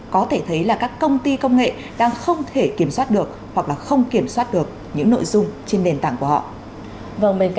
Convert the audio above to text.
có thể thấy là các công ty công nghệ đang không thể kiểm soát được